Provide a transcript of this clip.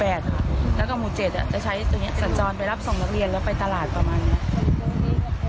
แล้วก็หมู่๗จะใช้ตรงนี้สัญจรไปรับส่งนักเรียนแล้วไปตลาดประมาณนี้